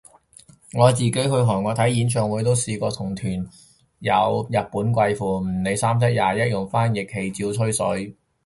我自己去韓國睇演唱會都試過同團有日本貴婦，唔理三七廿一用翻譯器照吹水